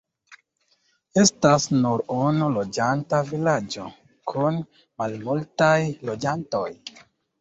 Estas nur unu loĝata vilaĝo kun malmultaj loĝantoj.